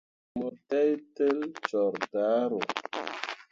Mo teitel coor daaro.